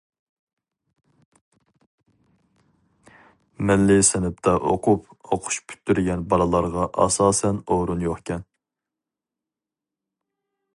مىللىي سىنىپتا ئوقۇپ ئوقۇش پۈتتۈرگەن بالىلارغا ئاساسەن ئورۇن يوقكەن.